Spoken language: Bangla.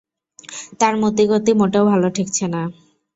তার মতিগতি মোটেও ভালো ঠেকছে না।